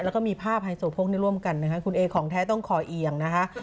แล้วก็มีภาพไฮโซโพกนี่ร่วมกันนะคะคุณเอของแท้ต้องคอเอียงนะคะ